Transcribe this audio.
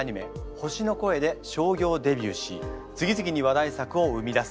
「ほしのこえ」で商業デビューし次々に話題作を生み出す。